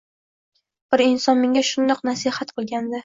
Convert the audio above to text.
Bir inson menga shunday nasihat qilgandi